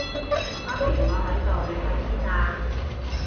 媽咪，我喺度，你喺邊啊？